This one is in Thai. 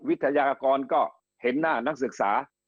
วิทยากรก็เห็นหน้านักศึกษา